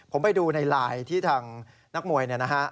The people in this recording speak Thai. ผมไปดูในไลน์ที่ทางนักมวยเนี่ยนะฮะ